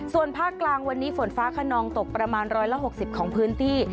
ส่วนภาคกลางวันนี้ฝนฟ้าคนองตกประมาณร้อยละหกสิบของพื้นที่